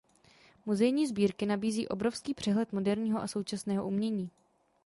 Muzejní sbírky nabízí obrovský přehled moderního a současného umění.